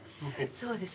そうです。